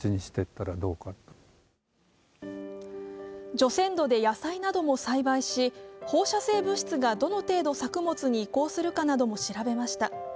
除染土で野菜なども栽培し放射性物質がどの程度作物に移行するかなども調べました。